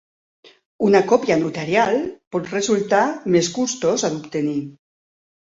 Una còpia notarial pot resultar més costosa d'obtenir.